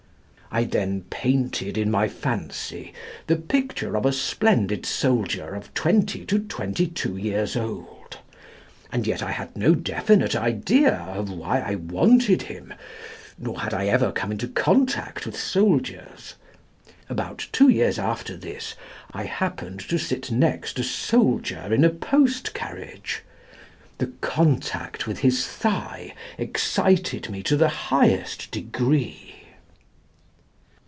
I then painted in my fancy the picture of a splendid soldier of twenty to twenty two years old. And yet I had no definite idea of why I wanted him; nor had I ever come in contact with soldiers. About two years after this, I happened to sit next a soldier in a post carriage. The contact with his thigh excited me to the highest degree."